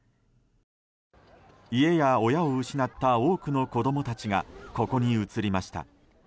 家や親を失った多くの子供たちがここに移りました。